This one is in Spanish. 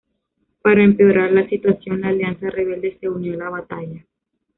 Para empeorar la situación, la Alianza Rebelde se unió a la batalla.